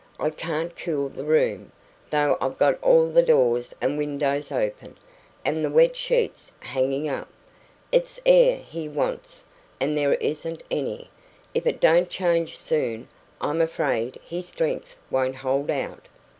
I can't cool the room, though I've got all the doors and windows open, and the wet sheets hanging up. It's air he wants, and there isn't any. If it don't change soon, I'm afraid his strength won't hold out."